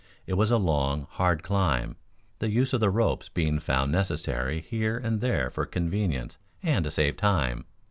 It was a long, hard climb, the use of the ropes being found necessary here and there for convenience and to save time.